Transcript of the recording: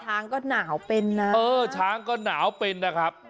ช้างก็หนาวเป็นนะเออช้างก็หนาวเป็นนะครับ